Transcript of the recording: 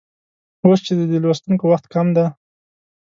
اوس چې د لوستونکو وخت کم دی